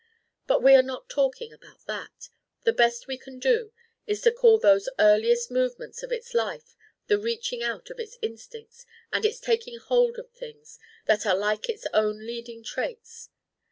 But we are not talking about that. The best we can do is to call those earliest movements of its life the reaching out of its instincts and its taking hold of things that are like its own leading traits.